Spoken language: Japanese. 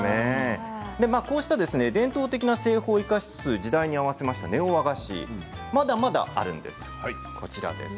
こうした伝統的な製法を生かしつつ時代に合わせたネオ和菓子、まだまだあります。